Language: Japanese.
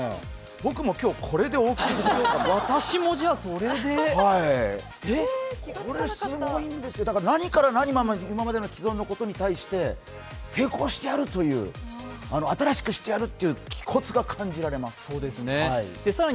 僕も今日、これでお送りしようかと私も、じゃ、それで何から何まで今までの既存のことに対して抵抗してやるという、新しくしてやるという気骨が感じられます。